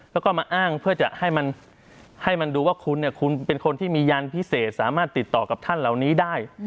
แล้วก็มาอ้างเพื่อจะให้มันให้มันดูว่าคุณคุณเป็นคนที่มียันพิเศษสามารถติดต่อกับท่านเหล่านี้ได้